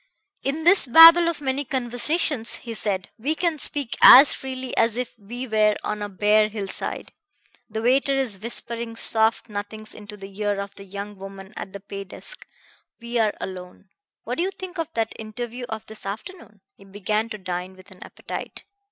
"In this babble of many conversations," he said, "we can speak as freely as if we were on a bare hill side. The waiter is whispering soft nothings into the ear of the young woman at the pay desk. We are alone. What do you think of that interview of this afternoon?" He began to dine with an appetite.